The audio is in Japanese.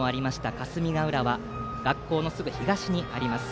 霞ヶ浦は学校のすぐ東にあります。